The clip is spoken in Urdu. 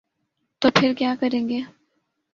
تو پھر کیا کریں گے؟